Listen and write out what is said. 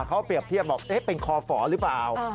เขาเปรียบเทียบบอกเป็นคอฝหรือเปล่า